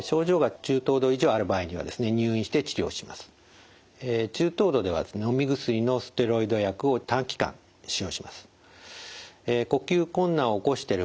中等度ではですねのみ薬のステロイド薬を短期間使用します。